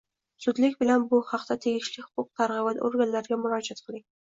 Zudlik bilan bu haqda tegishli huquq-tartibot organlariga murojaat qiling!